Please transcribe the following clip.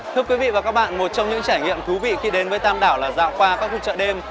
thưa quý vị và các bạn một trong những trải nghiệm thú vị khi đến với tam đảo là dạo qua các khu chợ đêm